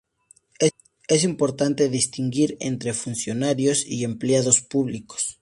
Es importante distinguir entre funcionarios y empleados públicos.